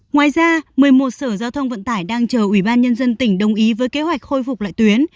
ngoài ra một mươi một sở giao thông vận tải đang chờ ủy ban nhân dân tỉnh đồng ý với kế hoạch khôi phục lại tuyến